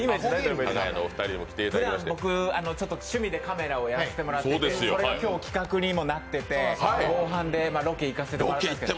僕、趣味でカメラをやらせてもらって、それが今日、企画にもなってて後半でロケに行かせてもらっています。